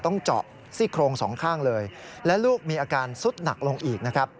ต้องเจาะซี่โครงสองข้างเลยและลูกมีอาการสุดหนักลงอีกนะครับ